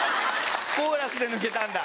コーラスで抜けたんだ。